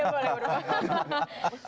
tidak boleh berbohong